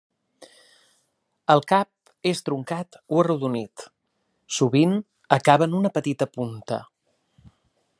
El cap és truncat o arrodonit, sovint acaba en una petita punta.